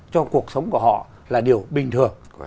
cho cuộc sống của họ là điều bình thường